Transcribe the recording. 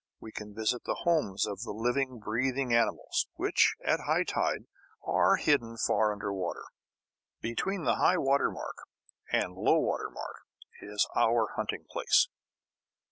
We can visit the homes of the living, breathing animals, which, at high tide, are hidden far under water. Between the high water mark and low water mark is our hunting place.